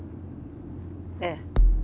ええ。